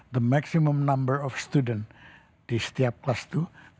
the maximum number of student di setiap kelas itu